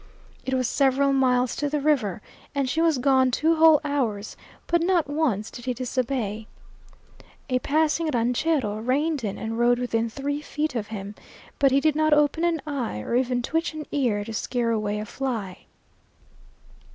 It was several miles to the river, and she was gone two whole hours, but not once did he disobey. A passing ranchero reined in and rode within three feet of him, but he did not open an eye or even twitch an ear to scare away a fly.